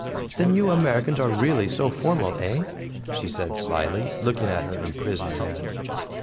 "Then you Americans are really so very formal eh?" she said slyly, looking at her imprisoned hand.